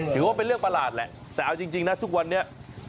ถือว่าเป็นเรื่องประหลาดแหละแต่เอาจริงนะทุกวันนี้